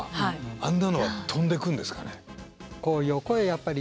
あんなのは飛んでくるんですかね？